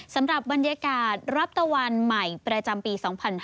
สำหรับบรรยากาศรับตะวันใหม่ประจำปี๒๕๕๙